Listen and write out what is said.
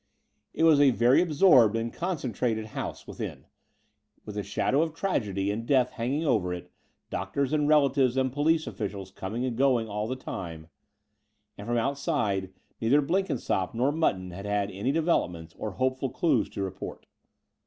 It was a very absorbed and concentrated house within, with the shadow of tragedy and death hanging over it, doctors and relatives and poUce officials coming and going all the time: and from outside neither Blenkinsopp nor Mutton had any developments or hopeful clues to report.